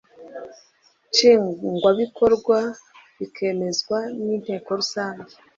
nshingwabikorwa bikemezwa n inteko rusange